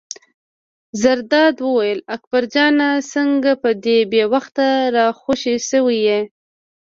زرداد وویل: اکبر جانه څنګه په دې بې وخته را خوشې شوی یې.